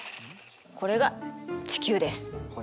これが地球です。